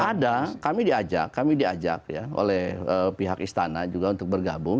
ada kami diajak kami diajak ya oleh pihak istana juga untuk bergabung